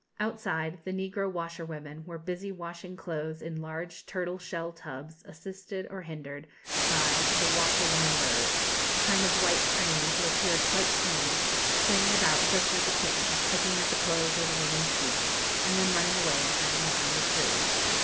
Outside, the negro washerwomen were busy washing clothes in large turtle shell tubs, assisted, or hindered, by the 'washerwoman bird,' a kind of white crane, who appeared quite tame, playing about just like a kitten, pecking at the clothes or the women's feet, and then running away and hiding behind a tree.